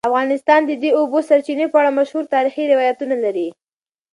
افغانستان د د اوبو سرچینې په اړه مشهور تاریخی روایتونه لري.